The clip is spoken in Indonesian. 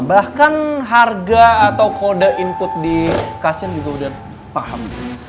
bahkan harga atau kode input di kassian udah paham